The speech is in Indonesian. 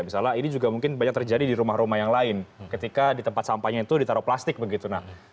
misalnya ini juga mungkin banyak terjadi di rumah rumah yang lain ketika di tempat sampahnya itu ditaruh plastik begitu